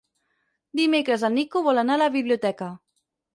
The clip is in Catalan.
Dimecres en Nico vol anar a la biblioteca.